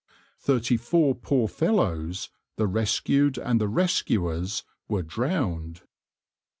Thirty four poor fellows the rescued and the rescuers were drowned.